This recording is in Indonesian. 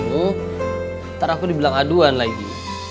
oh ntar aku dibilang aduan lagi